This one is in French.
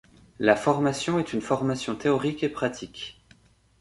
La formation est une formation théorique et pratique.